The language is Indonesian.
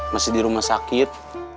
masih di rumah sakit